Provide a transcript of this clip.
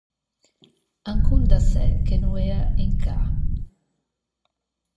Ancon d’assæ che no ea in cà!